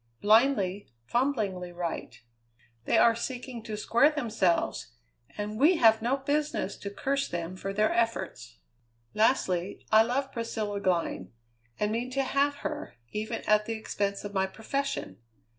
Blindly, fumblingly right. They are seeking to square themselves, and we have no business to curse them for their efforts. Lastly, I love Priscilla Glynn, and mean to have her, even at the expense of my profession!